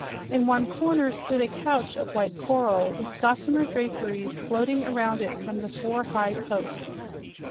In one corner stood a couch of white coral, with gossamer draperies hanging around it from the four high posts.